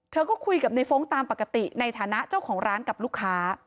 เธอก็คุยกับในฟ้องตามปกติในฐานะเจ้าของร้านกับลูกค้า